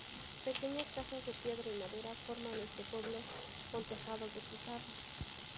Pequeñas casas de piedra y madera forman este pueblo, con tejados de pizarra.